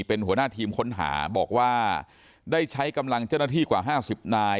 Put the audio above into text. เป็นหัวหน้าทีมค้นหาบอกว่าได้ใช้กำลังเจ้าหน้าที่กว่า๕๐นาย